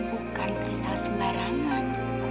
bukan kristal sembarangan